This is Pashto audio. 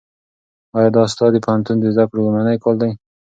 ایا دا ستا د پوهنتون د زده کړو لومړنی کال دی؟